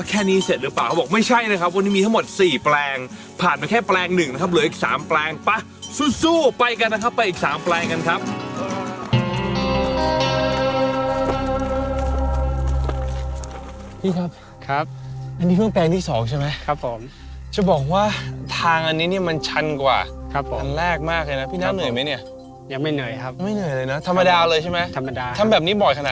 แค่นี้เสร็จหรือป่ะเขาบอกไม่ใช่นะครับ